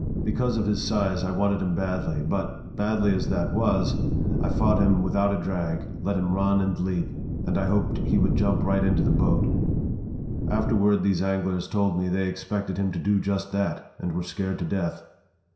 Because of his size I wanted him badly, but, badly as that was, I fought him without a drag, let him run and leap, and I hoped he would jump right into that boat. Afterward these anglers told me they expected him to do just that and were scared to death.